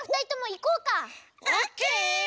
オッケー！